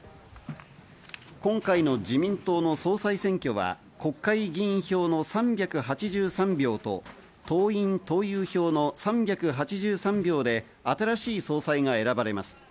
今回の自民党の総裁選挙は国会議員票の３８３票と党員・党友表の３８３票で新しい総裁が選ばれます。